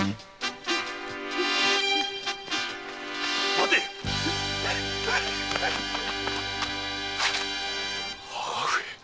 待て！母上！？